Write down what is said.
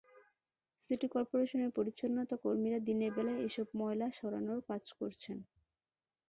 City করপোরেশনের পরিচ্ছন্নতাকর্মীরা দিনের বেলায় এসব ময়লা সরানোর কাজ করছেন।